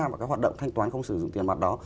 vào các hoạt động thanh toán không sử dụng tiền mặt đó